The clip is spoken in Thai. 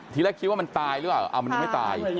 ทีแรกคิดว่ามันตายหรือเปล่ามันยังไม่ตาย